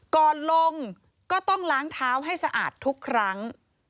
ก่อนลงก็ต้องล้างเท้าให้สะอาดทุกครั้ง